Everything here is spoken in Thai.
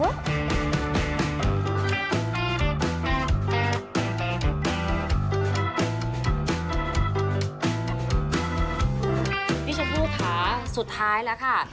นี่คือผู้ค้าสุดท้ายแล้วค่ะ